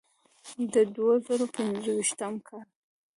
د دوه زره پنځويشتم کال